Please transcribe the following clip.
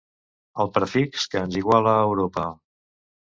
El prefix que ens iguala a Europa.